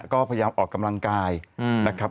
ก็พยายามออกกำลังกายนะครับ